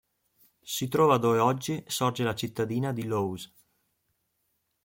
Si trova dove oggi sorge la cittadina di Laws.